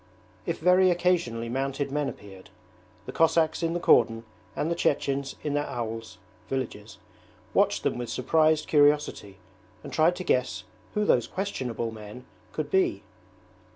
If very occasionally mounted men appeared, the Cossacks in the cordon and the Chechens in their aouls (villages) watched them with surprised curiosity and tried to guess who those questionable men could be.